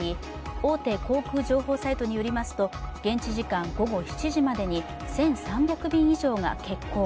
大手航空情報サイトによりますと現地時間午後７時までに１３００便以上が欠航。